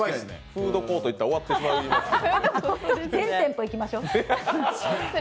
フードコート行ったら終わってしまいますよ。